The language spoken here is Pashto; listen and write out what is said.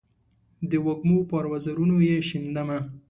د وږمو پر وزرونو یې شیندمه